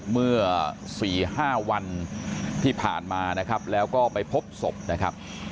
เมื่อ๔๕วันที่ผ่านมานะครับแล้วก็ไปพบศพนะครับ